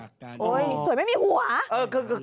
สวยไม่มีหัว